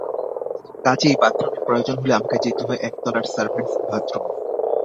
কাজেই বাথরুমের প্রয়োজন হলে আমাকে যেতে হয় একতলার সার্ভেন্টস বাথরুমে।